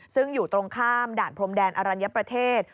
ซึ่งอยู่ตรงข้ามด่านพรมแดนอรัญญประเทศ